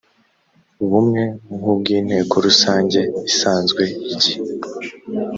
bumwe nk ubw inteko rusange isanzwe igihe